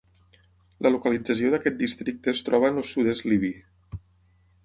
La localització d'aquest districte es troba en el sud-est libi.